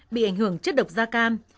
bị ảnh hưởng chất độc da cam